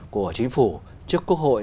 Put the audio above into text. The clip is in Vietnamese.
của chính phủ trước quốc hội